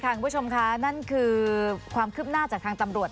เก็บปวดเช่นกันคือประหารเลยใช่ครับ